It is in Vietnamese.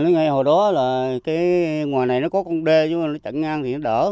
ngày hồi đó là cái ngoài này nó có con đê chứ nó chặn ngang thì nó đỡ